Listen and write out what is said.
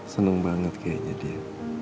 seneng banget kayaknya dia